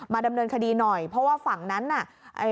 ดำเนินคดีหน่อยเพราะว่าฝั่งนั้นน่ะ